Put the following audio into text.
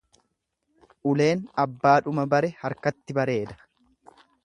Uleen abbaadhuma bare harkatti bareeda.